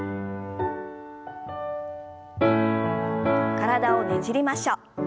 体をねじりましょう。